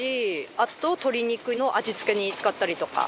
あと鶏肉の味付けに使ったりとか。